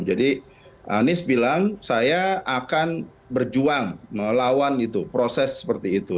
jadi anies bilang saya akan berjuang melawan itu proses seperti itu